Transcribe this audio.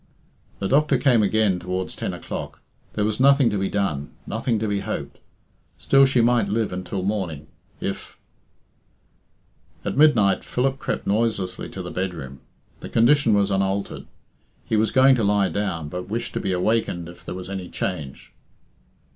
The doctor came again towards ten o'clock. There was nothing to be done; nothing to be hoped; still she might live until morning, if At midnight Philip crept noiselessly to the bedroom. The condition was unaltered. He was going to lie down, but wished to be awakened if there was any change.